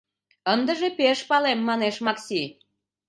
— Ындыже пеш палем, — манеш Макси.